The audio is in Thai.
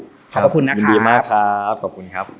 ขอบคุณนะครับยินดีมากครับขอบคุณครับ